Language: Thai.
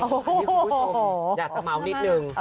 คุณผู้ชมอยากจะเมาส์นิดนึง